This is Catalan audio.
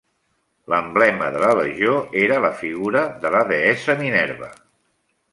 L'emblema de la legió era la figura de la deessa Minerva.